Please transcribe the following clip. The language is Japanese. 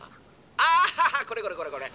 あっこれこれこれこれ！